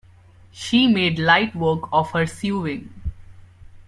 She made light work of her sewing.